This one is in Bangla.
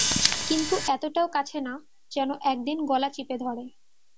কিন্তু এতটাও কাছে না যেন একদিন গলা চিপে ধরে।